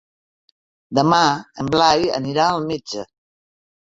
Demà en Blai anirà al metge.